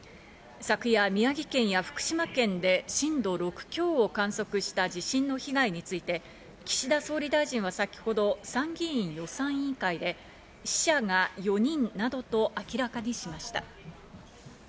昨夜、宮城県や福島県で震度６強を観測した地震の被害について、岸田総理大臣は先ほど参議院予算委員会で、死者が４人などと明らかにしました。